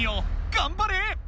がんばれ！